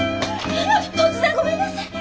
突然ごめんなさい。